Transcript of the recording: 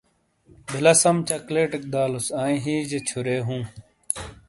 بلہ سم چاکلیٹیک دالوس آنئ ہئیجا چھورے ہوں